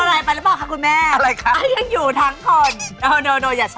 มาแรกเห็นเข่าแปปโอ๊ยร่างมา